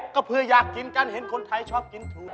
ก็เพื่ออยากกินกันเห็นคนไทยชอบกินถูก